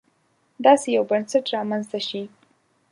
داسې یو بنسټ رامنځته شي.